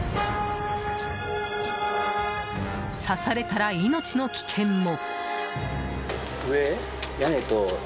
刺されたら命の危険も。